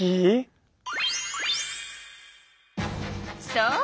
そう！